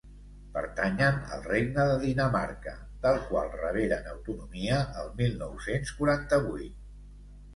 Pertanyen al regne de Dinamarca, del qual reberen autonomia el mil nou-cents quaranta-vuit.